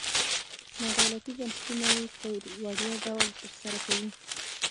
نادولتي بنسټونه یې په وړیا ډول تر سره کوي.